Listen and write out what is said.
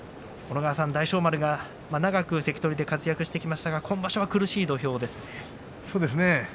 大翔丸が長く関取で活躍してきましたが今場所は苦しい星です。